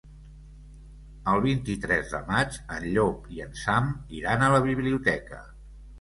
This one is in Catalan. El vint-i-tres de maig en Llop i en Sam iran a la biblioteca.